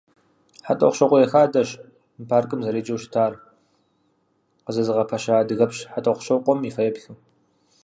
«ХьэтӀохъущыкъуей хадэщ» мы паркым зэреджэу щытар, къызэзыгъэпэща адыгэпщ ХьэтӀохъущокъуэм и фэеплъу.